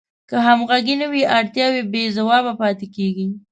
که همغږي نه وي اړتیاوې بې ځوابه پاتې کیږي.